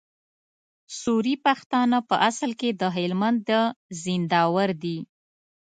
سوري پښتانه په اصل کي د هلمند د زينداور دي